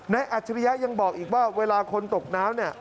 และอัจฉริยะยังบอกอีกว่าเวลาคนตกน้ำ